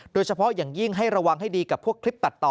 โดยเฉพาะอย่างยิ่งให้ระวังให้ดีกับพวกคลิปตัดต่อ